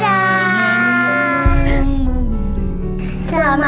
selamat ulang tahun nama